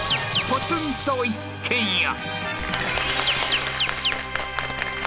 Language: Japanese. ポツンと一軒家